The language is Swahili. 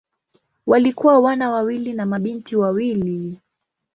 Walikuwa wana wawili na mabinti wawili.